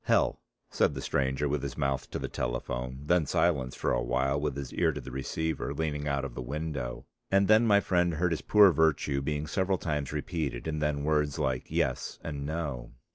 "Hell," said the stranger with his mouth to the telephone; then silence for a while with his ear to the receiver, leaning out of the window. And then my friend heard his poor virtue being several times repeated, and then words like Yes and No.